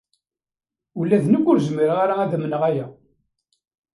Ula d nekk ur zmireɣ ad amneɣ aya.